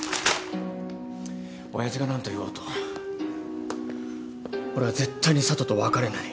親父が何と言おうと俺は絶対に佐都と別れない。